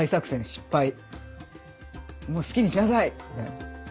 「もう好きにしなさい！」。